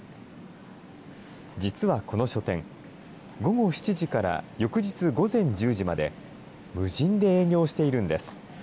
実はこの書店、午後７時から翌日午前１０時まで、無人で営業しているんです。